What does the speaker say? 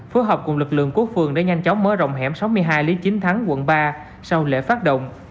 phối hợp cùng lực lượng của phường đã nhanh chóng mở rộng hẻm sáu mươi hai lý chính thắng quận ba sau lễ phát động